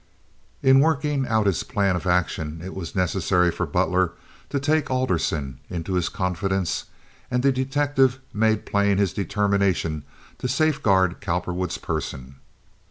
In working out his plan of action it was necessary for Butler to take Alderson into his confidence and the detective made plain his determination to safeguard Cowperwood's person.